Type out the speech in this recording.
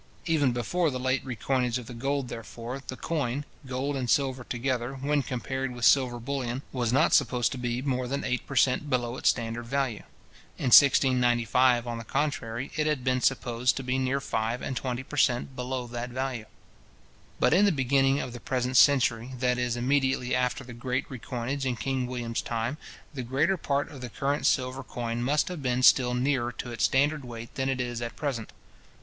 Even before the late recoinage of the gold, therefore, the coin, gold and silver together, when compared with silver bullion, was not supposed to be more than eight per cent. below its standard value, In 1695, on the contrary, it had been supposed to be near five and twenty per cent. below that value. But in the beginning of the present century, that is, immediately after the great recoinage in King William's time, the greater part of the current silver coin must have been still nearer to its standard weight than it is at present.